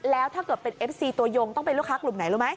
แล้วถ้าเกิดเป็นเอฟซีตัวยงต้องเป็นลูกค้ากลุ่มไหนรู้ไหม